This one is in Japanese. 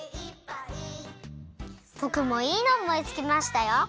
ぼくもいいのをおもいつきましたよ！